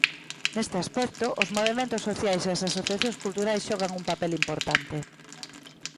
Neste aspecto, os movementos sociais e as asociacións culturais xogan un papel importante.